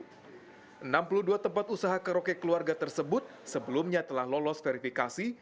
tempat tempat usaha karaoke keluarga tersebut sebelumnya telah lolos verifikasi